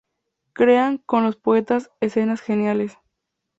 Crean, con los poetas, escenas geniales.